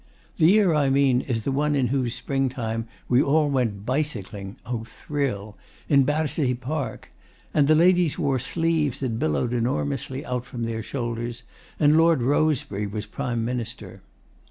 The year I mean is the one in whose spring time we all went bicycling (O thrill!) in Battersea Park, and ladies wore sleeves that billowed enormously out from their shoulders, and Lord Rosebery was Prime Minister.